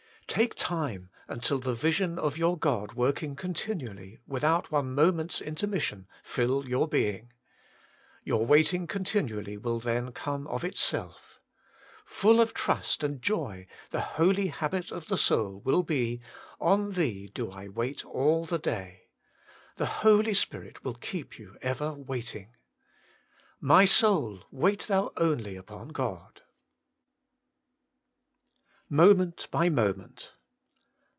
Take time until the vision of your God working continually, without one moment's intermission, fill your being. Your waiting continually will then come of itself. Full of trust and joy the holy habit of the soul will be, * On Thee do I wait all the day.' The Holy Spirit will keep you ever waiting. * My soulf wait thou only upon God/* 144 WAITING ON QDD/ MOMENT BY MOMENT.